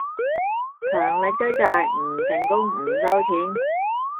強力追債，唔成功唔收錢!